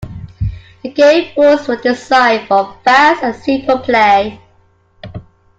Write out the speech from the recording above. The game rules were designed for fast and simple play.